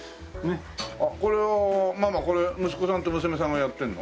これはママこれ息子さんと娘さんがやってるの？